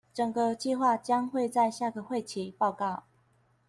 整個計畫將會在下個會期報告